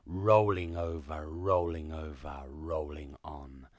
_ Rolling over, rolling over, rolling on.